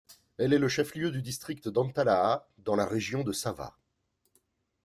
Elle est le chef-lieu du district d'Antalaha dans la région de Sava.